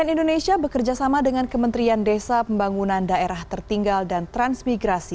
cnn indonesia bekerjasama dengan kementerian desa pembangunan daerah tertinggal dan transmigrasi